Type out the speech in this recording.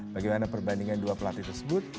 bagaimana perbandingan dua pelatih tersebut